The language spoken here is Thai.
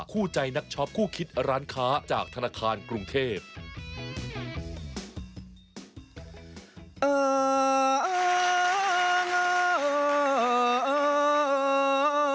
คู่ใจนักช็อปคู่คิดร้านค้าจากธนาคารกรุงเทพ